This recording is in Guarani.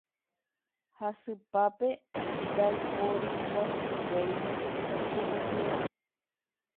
Jasypápe ndaiporiguasuvéima hiʼupyrã.